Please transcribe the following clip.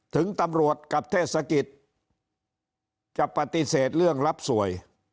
ถึงตำรวจกับเทศกิจจะปฏิเสธเรื่องรับสวย